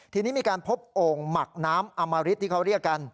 ทีนี้มีการพบโอ่งหมักน้ำอมริตที่เขาเรียกกัน